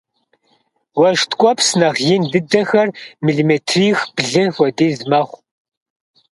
Уэшх ткӏуэпс нэхъ ин дыдэхэр миллиметрих-блы хуэдиз мэхъу.